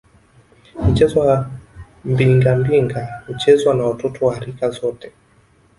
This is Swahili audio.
Mchezo wa Mbingambinga huchezwa na watoto wa rika zote